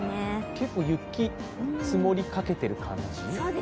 結構、雪、積もりかけている感じ。